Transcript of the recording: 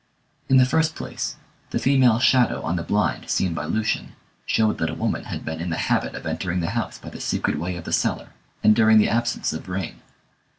In the first place, the female shadow on the blind seen by Lucian, showed that a woman had been in the habit of entering the house by the secret way of the cellar, and during the absence of Vrain.